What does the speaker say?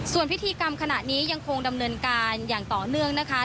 ส่วนพิธีกรรมขณะนี้ยังคงดำเนินการอย่างต่อเนื่องนะคะ